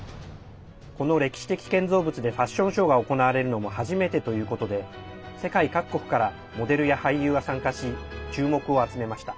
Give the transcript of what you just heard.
この歴史的建造物でファッションショーが行われるのも初めてということで世界各国からモデルや俳優が参加し、注目を集めました。